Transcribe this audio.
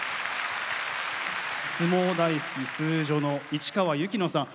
相撲大好きスージョの市川由紀乃さん。